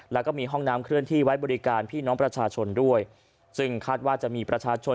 แล้วก็มีห้องน้ำเคลื่อนที่ไว้บริการพี่น้องประชาชนด้วยซึ่งคาดว่าจะมีประชาชน